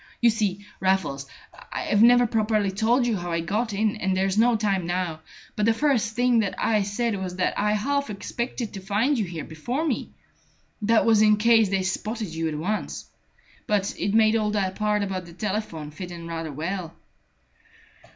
You see, Raffles, I've never properly told you how I got in, and there's no time now; but the first thing I had said was that I half expected to find you here before me. That was in case they spotted you at once. But it made all that part about the telephone fit in rather well."